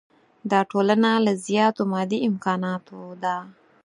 دا ټولنه له زیاتو مادي امکاناتو ده.